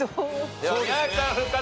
では宮崎さん復活！